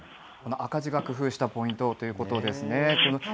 赤字が、工夫したポイントということですね。